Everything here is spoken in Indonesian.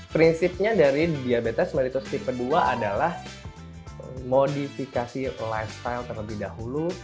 prinsipnya dari diabetes meritos tipe dua adalah modifikasi lifestyle terlebih dahulu